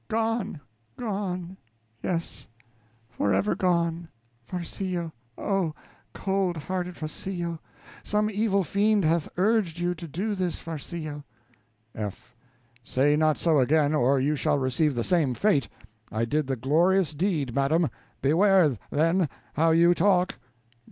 Gone, gone yes, forever gone! Farcillo, oh, cold hearted Farcillo, some evil fiend hath urged you to do this, Farcillo. F. Say not so again, or you shall receive the same fate. I did the glorious deed, madam beware, then, how you talk.